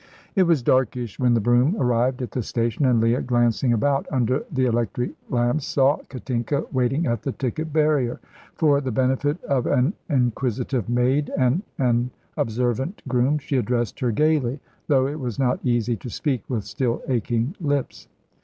It was darkish when the brougham arrived at the station, and Leah, glancing about under the electric lamps, saw Katinka waiting at the ticket barrier. For the benefit of an inquisitive maid and an observant groom she addressed her gaily, though it was not easy to speak with still aching lips.